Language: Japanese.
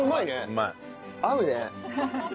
合うね。